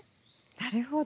なるほど。